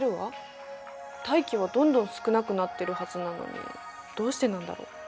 大気はどんどん少なくなってるはずなのにどうしてなんだろう？